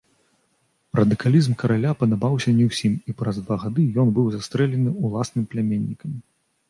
Радыкалізм караля падабаўся не ўсім і праз два гады ён быў застрэлены ўласным пляменнікам.